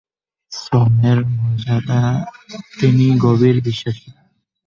শ্রমের মর্যাদায় তিনি গভীর বিশ্বাসী।